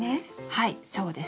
はいそうです。